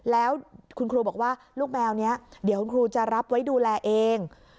แล้วคุณครูบอกว่าลูกแมวนี้เดี๋ยวคุณครูจะรับไว้ดูแลเอง